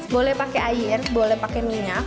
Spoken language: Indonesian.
boleh pakai air boleh pakai minyak